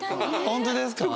本当ですか？